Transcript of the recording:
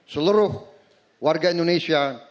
seluruh warga indonesia